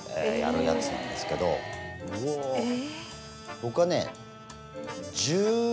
僕はね。